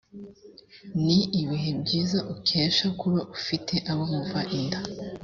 ni ibihe byiza ukesha kuba ufite abo muva inda